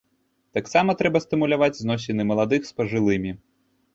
Таксама трэба стымуляваць зносіны маладых з пажылымі.